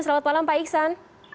selamat malam pak iksan